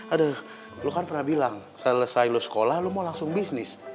aduh lu kan pernah bilang selesai lo sekolah lo mau langsung bisnis